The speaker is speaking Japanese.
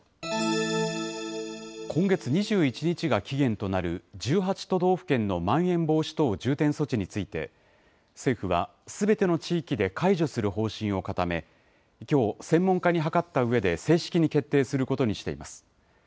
今月２１日が期限となる、１８都道府県のまん延防止等重点措置について、政府はすべての地域で解除する方針を固め、きょう、専門家に諮ったうえで正式に決定することにしています。